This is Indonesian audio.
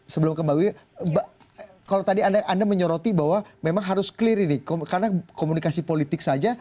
sebelum ke mbak wiwi kalau tadi anda menyoroti bahwa memang harus clear ini karena komunikasi politik saja